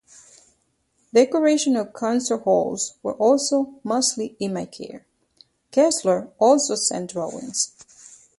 Decoration of concert halls were also mostly in my care. Kessler also sent drawings.